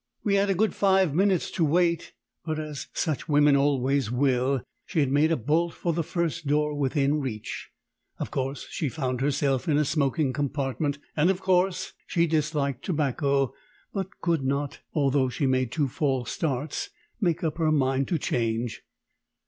We had a good five minutes to wait, but, as such women always will, she had made a bolt for the first door within reach. Of course she found herself in a smoking compartment, and of course she disliked tobacco, but could not, although she made two false starts, make up her mind to change.